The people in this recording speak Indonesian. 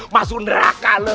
masuk ke neraka lo